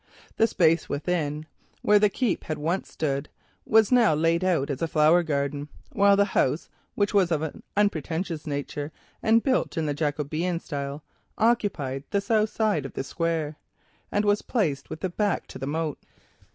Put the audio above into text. The space within, where the keep had once stood, was now laid out as a flower garden, while the house, which was of an unpretentious nature, and built in the Jacobean style, occupied the south side of the square, and was placed with its back to the moat.